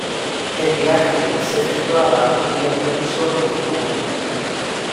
El viraje se efectuaba mediante un solo timón.